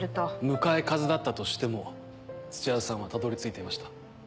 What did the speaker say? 向かい風だったとしても土屋さんはたどり着いていました。